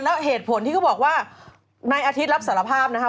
แล้วเหตุผลที่เขาบอกว่านายอาทิตย์รับสารภาพนะคะ